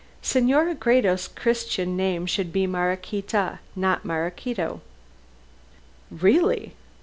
"Senora Gredos' Christian name should be Maraquita, not Maraquito!" "Really.